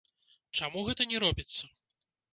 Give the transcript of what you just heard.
Чаму гэта не робіцца?